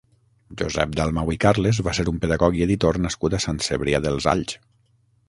Josep Dalmau i Carles va ser un pedagog i editor nascut a Sant Cebrià dels Alls.